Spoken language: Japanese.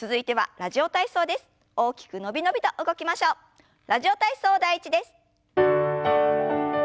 「ラジオ体操第１」です。